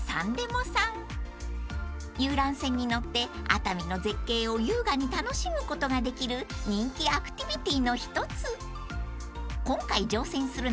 ［遊覧船に乗って熱海の絶景を優雅に楽しむことができる人気アクティビティの一つ］